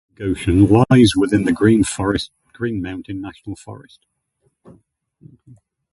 Most of Goshen lies within the Green Mountain National Forest.